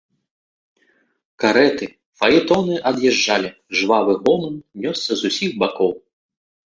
Карэты, фаэтоны ад'язджалі, жвавы гоман нёсся з усіх бакоў.